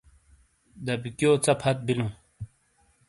دَبکیو ژا پھت بِیلوں۔